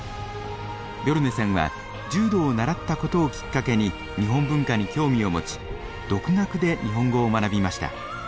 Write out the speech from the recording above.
ビョルネさんは柔道を習ったことをきっかけに日本文化に興味を持ち独学で日本語を学びました。